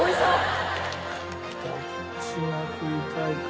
どっちが食いたいか。